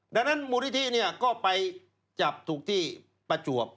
ดังนั้นมูลนิธิก็ไปจับถูกที่ประจวบ